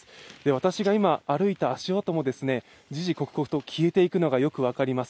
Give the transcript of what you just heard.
私が今歩いた足跡も時々刻々と消えていくのがよく分かります。